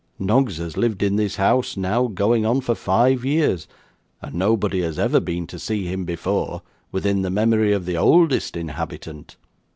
Noggs has lived in this house, now going on for five years, and nobody has ever been to see him before, within the memory of the oldest inhabitant.